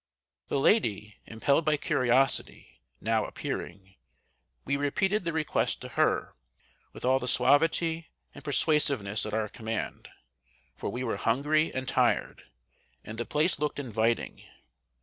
] The lady, impelled by curiosity, now appearing, we repeated the request to her, with all the suavity and persuasiveness at our command, for we were hungry and tired, and the place looked inviting.